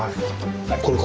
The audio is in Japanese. これか。